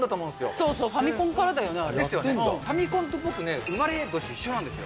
そうそう、ファミコンからだファミコンと僕ね、生まれ年一緒なんですよ。